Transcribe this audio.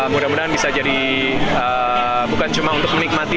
mudah mudahan bisa jadi bukan cuma untuk menikmati